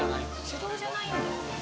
手動じゃないんだ。